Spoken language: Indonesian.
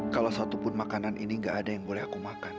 kalau satupun makanan ini nggak ada yang bisa saya sarapan